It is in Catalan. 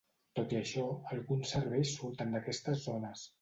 Tot i això, alguns serveis surten d'aquestes zones.